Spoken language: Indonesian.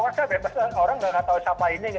maksudnya orang tidak tahu siapa ini